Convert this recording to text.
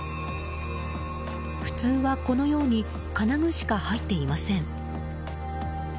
普通はこのように金具しか入っていません。